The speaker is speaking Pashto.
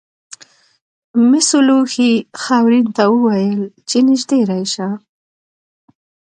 مسو لوښي خاورین ته وویل چې نږدې راشه.